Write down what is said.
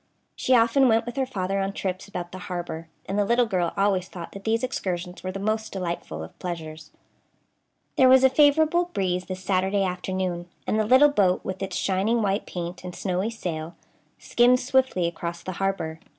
She often went with her father on trips about the harbor, and the little girl always thought that these excursions were the most delightful of pleasures. There was a favorable breeze this Saturday afternoon, and the little boat, with its shining white paint and snowy sail, skimmed swiftly across the harbor.